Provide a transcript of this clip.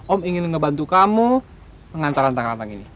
om ingin ngebantu kamu mengantar rantang rantang ini